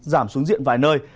giảm xuống diện vài nơi